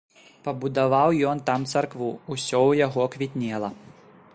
Пабудаваў ён там царкву, усё ў яго квітнела.